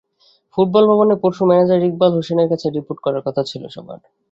Football ভবনে পরশু manager Iqbal হোসেনের কাছে রিপোর্ট করার কথা ছিল সবার।